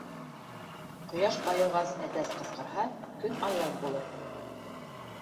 Ҡояш байығас, әтәс ҡысҡырһа, көн аяҙ булыр.